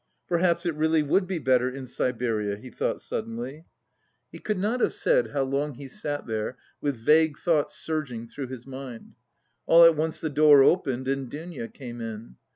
"Perhaps it really would be better in Siberia," he thought suddenly. He could not have said how long he sat there with vague thoughts surging through his mind. All at once the door opened and Dounia came in.